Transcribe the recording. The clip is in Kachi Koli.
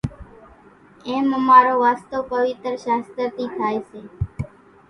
ايم امارو واسطو پويتر شاستر ٿي ٿائي سي،